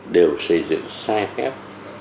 đều xây dựng sai phép